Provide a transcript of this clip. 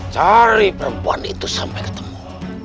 cari perempuan itu sampai ketemu